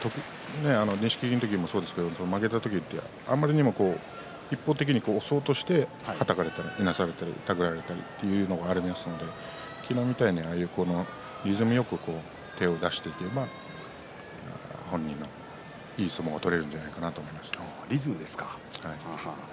錦木の時もそうですけれども負けた時はあまりにも一方的に押そうとしてはたかれたり、いなされたり手繰られたりということがありますので、昨日みたいにリズムよく手を出していけば本人のいい相撲が取れるんじゃリズムですか。